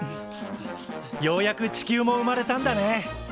ようやく地球も生まれたんだね。